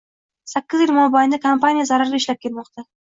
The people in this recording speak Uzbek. Sakkiz yil mobaynida kompaniya zararga ishlab kelmoqda.